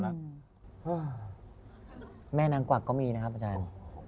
เม่แนน็องเกวักก็มีนะครับประจาน